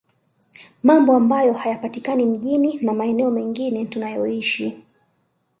Mambo ambayo hayapatikani mjini na maeneo mengine tunakoishi